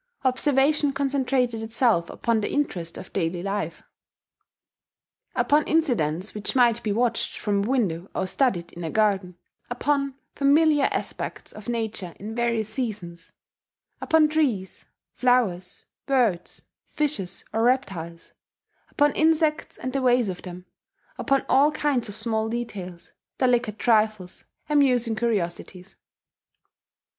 Observation concentrated itself upon the interest of everyday life, upon incidents which might be watched from a window, or studied in a garden, upon familiar aspects of nature in various seasons, upon trees, flowers, birds, fishes, or reptiles, upon insects and the ways of them, upon all kinds of small details, delicate trifles, amusing curiosities.